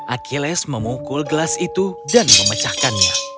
achilles memukul gelas itu dan memecahkannya